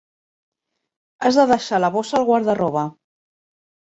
Has de deixar la bossa al guarda-roba.